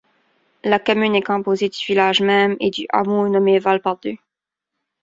La commune est composée du village même et du hameau nommé Val Perdu.